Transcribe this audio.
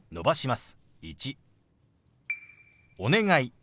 「お願い」。